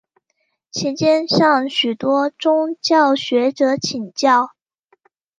期间向许多宗教学者请教。